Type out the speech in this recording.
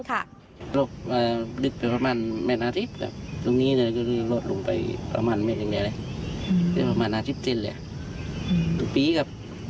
หมู่บ้านค่ะ